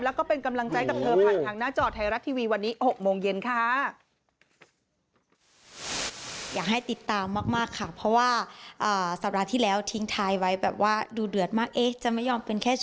แล้วก็เป็นกำลังใจกับเธอผ่านทางหน้าจอไทยรัฐทีวีวันนี้๖โมงเย็นค่ะ